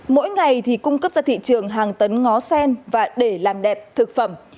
mỗi ngày thì cung cấp ra thị trường hàng tấn ngó sen và để làm đẹp thực phẩm